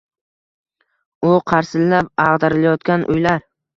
U qarsillab ag‘darilayotgan uylar.